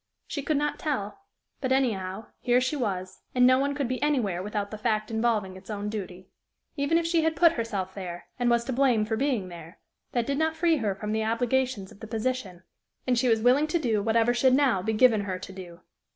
She could not tell; but, anyhow, here she was, and no one could be anywhere without the fact involving its own duty. Even if she had put herself there, and was to blame for being there, that did not free her from the obligations of the position, and she was willing to do whatever should now be given her to do.